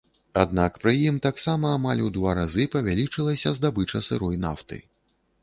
Аднак пры ім таксама амаль у два разы павялічылася здабыча сырой нафты.